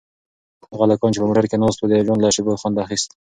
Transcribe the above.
هغه هلکان چې په موټر کې ناست وو د ژوند له شېبو خوند اخیست.